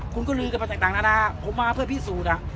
คุณก็ลืมกันมาแตกต่างด้านหน้าผมมาเพื่อพิสูจน์อ่ะ